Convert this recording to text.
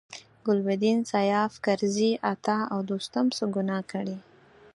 ګلبدین، سیاف، کرزي، عطا او دوستم څه ګناه کړې.